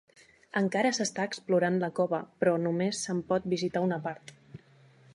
Encara s'està explorant la cova, però només se'n pot visitar una part.